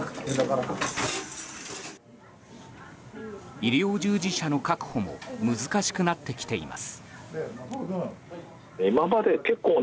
医療従事者の確保も難しくなってきています。